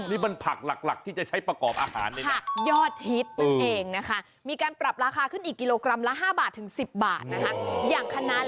พรุ่งนี่เป็นผักหลักให้ใช้ผรากอบอาหาร